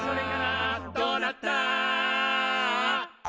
「どうなった？」